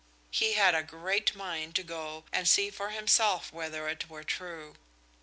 He had a great mind to go and see for himself whether it were true.